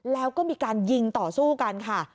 แล้วก็มีการยิงต่อสู้กันค่ะ